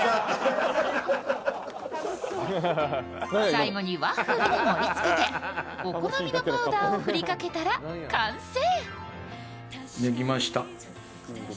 最後にワッフルで盛り付けて、お好みのパウダーを振りかけたら完成。